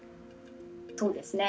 そうですね。